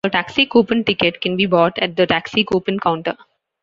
A taxi coupon ticket can be bought at the Taxi Coupon Counter.